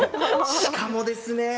しかもですね